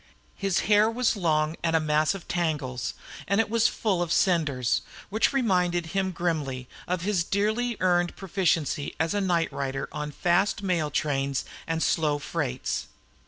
His hair was long and a mass of tangles, and it was full of cinders, which reminded him grimly of his dearly earned proficiency as a nightrider on fast mail trains and slow freights.